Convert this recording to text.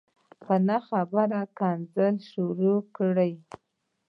په نه خبره کنځل شروع کړي